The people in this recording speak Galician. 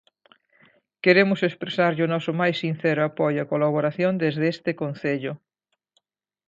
Queremos expresarlle o noso máis sincero apoio e colaboración desde este Concello.